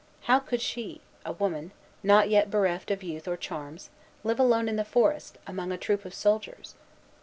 How could she, a woman, not yet bereft of youth or charms, live alone in the forest, among a troop of soldiers?